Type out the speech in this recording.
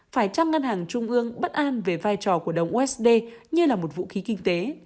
phải chăng ngân hàng trung ương bất an về vai trò của đồng usd như là một vũ khí kinh tế